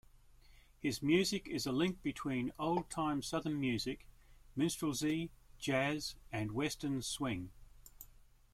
His music is a link between old-time Southern music, minstrelsy, jazz, and Western swing.